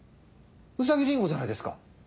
うさぎリンゴじゃないですか？